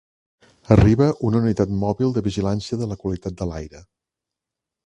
Arriba una unitat mòbil de vigilància de la qualitat de l'aire.